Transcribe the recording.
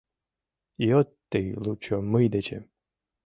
Йод тый лучо мый дечем